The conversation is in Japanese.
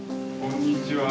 こんにちは。